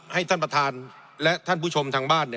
ให้ท่านประธานและท่านผู้ชมทางบ้าน